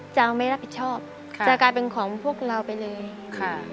จะเอาไม่รับผิดชอบค่ะจะกลายเป็นของพวกเราไปเลยค่ะ